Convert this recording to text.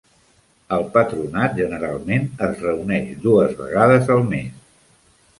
El patronat generalment es reuneix dues vegades al mes.